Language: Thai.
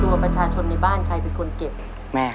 ตัวเลือดที่๓ม้าลายกับนกแก้วมาคอ